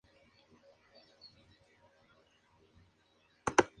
Las legumbres empleadas suelen ser una mezcla de habas y judías.